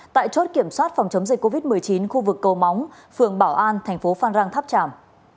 tại chốt kiểm soát phòng chống dịch covid một mươi chín khu vực cầu móng phường bảo an thành phố phan rang tháp tràm